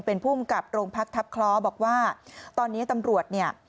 เป็นภูมิกับโรงพักทัพคล้อบอกว่าตอนนี้ตำรวจเนี่ย